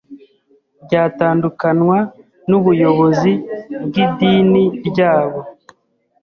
ryatandukanwa n'ubuyobozi bw'idini ryabo